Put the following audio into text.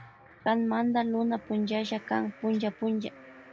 Kanmanta Luna punchalla kan punlla punlla.